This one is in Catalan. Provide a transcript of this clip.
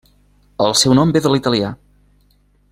El seu nom ve de l'Italià.